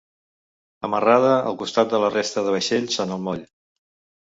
Amarrada al costat de la resta de vaixells en el moll.